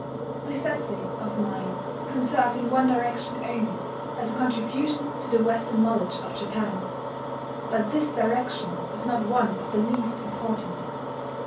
This essay of mine can serve in one direction only as a contribution to the Western knowledge of Japan. But this direction is not one of the least important.